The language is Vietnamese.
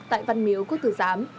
tại văn miếu quốc tử giám